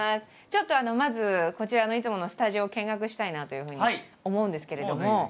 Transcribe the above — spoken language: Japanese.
ちょっとまずこちらのいつものスタジオを見学したいなというふうに思うんですけれども。